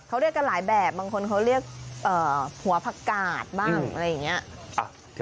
เขาเรียกกันหลายแบบบางคนเขาเรียกหัวผักกาดบ้างอะไรอย่างนี้